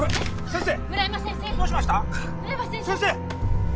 先生！